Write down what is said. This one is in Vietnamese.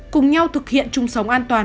cùng nhau thực hiện chung sống an toàn